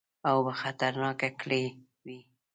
اوبه خطرناکه کړي وې.